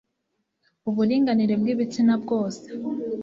uburinganire bw ibitsina bwose